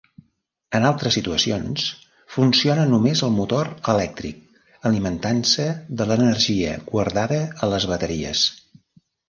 En altres situacions, funciona només el motor elèctric, alimentant-se de l'energia guardada a les bateries.